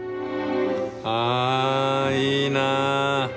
あいいな。